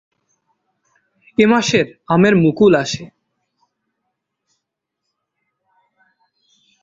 এ মাসের আমের মুকুল আসে।